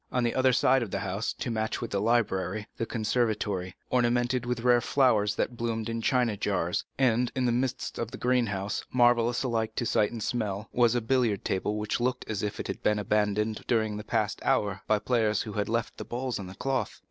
On the other side of the house, to match with the library, was the conservatory, ornamented with rare flowers, that bloomed in china jars; and in the midst of the greenhouse, marvellous alike to sight and smell, was a billiard table which looked as if it had been abandoned during the past hour by players who had left the balls on the cloth.